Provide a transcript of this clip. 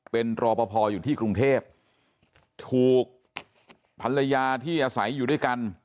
เป็นรอปภอยู่ที่กรุงเทพถูกภรรยาที่อาศัยอยู่ด้วยกัน